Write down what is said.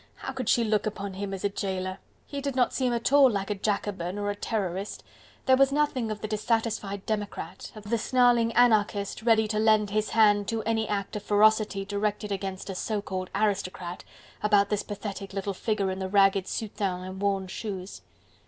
How could she look upon him as a jailer? He did not seem at all like a Jacobin or a Terrorist, there was nothing of the dissatisfied democrat, of the snarling anarchist ready to lend his hand to any act of ferocity directed against a so called aristocrat, about this pathetic little figure in the ragged soutane and worn shoes.